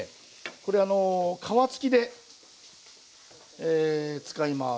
これあの皮付きで使います。